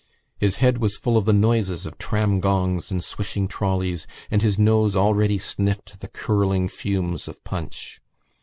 His head was full of the noises of tram gongs and swishing trolleys and his nose already sniffed the curling fumes of punch.